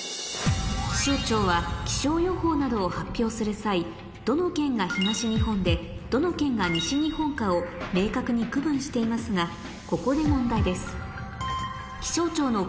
気象庁は気象予報などを発表する際どの県が東日本でどの県が西日本かを明確に区分していますがここで問題です